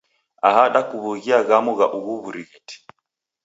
Aha dakuw'aghia ghamu gha ughu w'urighiti.